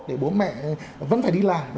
để bố mẹ vẫn phải đi làm